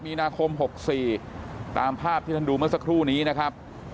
มีนาคม๖๔ตามภาพที่ท่านดูเมื่อสักครู่นี้นะครับ